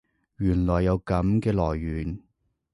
原來有噉嘅來源